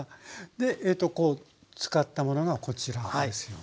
でえとこうつかったものがこちらですよね？